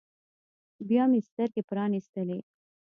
بيا مې سترګې پرانيستلې.